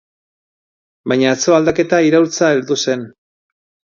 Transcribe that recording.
Baina atzo aldaketa, iraultza heldu zen.